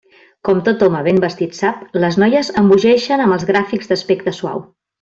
Com tot home ben vestit sap, les noies embogeixen amb els gràfics d'aspecte suau.